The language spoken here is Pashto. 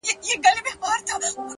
هره ناکامي د نوي فکر پیل دی’